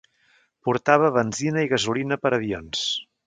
Portava benzina i gasolina per avions.